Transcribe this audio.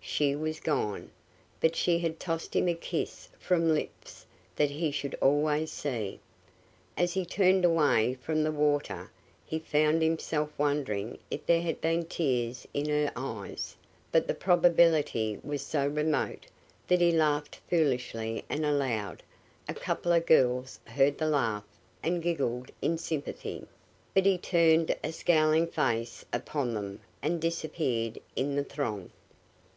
She was gone, but she had tossed him a kiss from lips that he should always see. As he turned away from the water he found himself wondering if there had been tears in her eyes, but the probability was so remote that he laughed foolishly and aloud A couple of girls heard the laugh and giggled in sympathy, but he turned a scowling face upon them and disappeared in the throng.